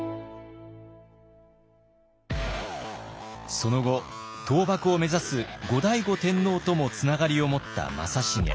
その後倒幕を目指す後醍醐天皇ともつながりを持った正成。